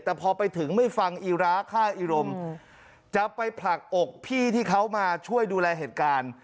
แต่พอไปถึงไม่ฟังอีราฆ่าอีรมจะไปผลักอกพี่ที่เขามาช่วยดูแลเหตุการณ์